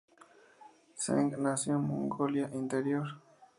Zheng nació en Mongolia Interior.